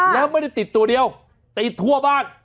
แล้วไม่ได้ติดตัวเดียวติดทั่วบ้าน